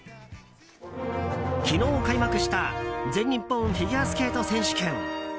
昨日開幕した全日本フィギュアスケート選手権。